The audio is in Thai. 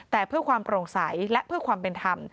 แต่เพื่อความโปร่งใสและเพื่อความเป็นธรรม